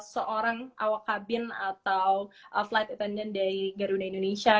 seorang awak kabin atau flight attendant dari garuda indonesia